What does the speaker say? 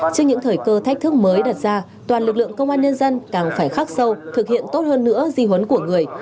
trước những thời cơ thách thức mới đặt ra toàn lực lượng công an nhân dân càng phải khắc sâu thực hiện tốt hơn nữa di huấn của người